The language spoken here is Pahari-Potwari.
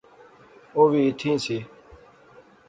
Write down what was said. او وی ایتھیں ایہہ سی